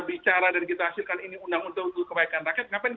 bicara dan kita hasilkan ini undang undang